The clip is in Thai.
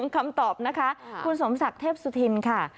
คำตอบนะคะคุณสมศักดิ์เทพสุธินค่ะ